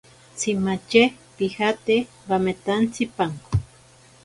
Tsimatye pijate bametantsipanko.